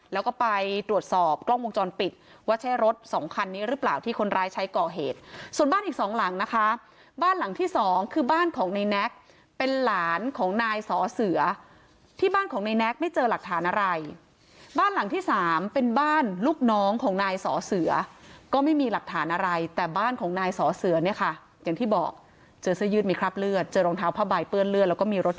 แล้วก็ไปตรวจสอบกล้องวงจรปิดว่าใช่รถสองคันนี้หรือเปล่าที่คนร้ายใช้ก่อเหตุส่วนบ้านอีกสองหลังนะคะบ้านหลังที่สองคือบ้านของในแน็กเป็นหลานของนายสอเสือที่บ้านของในแน็กไม่เจอหลักฐานอะไรบ้านหลังที่สามเป็นบ้านลูกน้องของนายสอเสือก็ไม่มีหลักฐานอะไรแต่บ้านของนายสอเสือเนี่ยค่ะอย่างที่บอกเจอเสื้อยืดมีคราบเลือดเจอรองเท้าผ้าใบเปื้อ